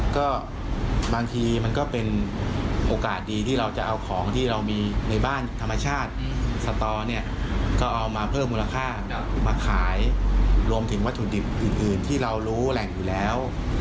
ก็บางทีมันก็เป็นโอกาสดีที่เราจะเอาของที่เรามีในบ้านธรรมชาติสตอเนี่ยก็เอามาเพิ่มมูลค่ามาขายรวมถึงวัตถุดิบอื่นที่เรารู้แหล่งอยู่แล้ว